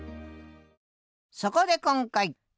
そこで今回！